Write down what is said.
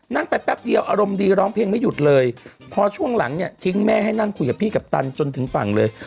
นั่งไปแป๊บเดียวอารมณ์ดีร้องเพลงไม่หยุดเลยพอช่วงหลังเนี่ยทิ้งแม่ให้นั่งคุยกับพี่กัปตันจนถึงฝั่งเลย